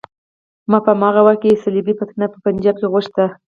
ما په هماغه وخت کې صلیبي فتنه په پنجاب کې غوښته.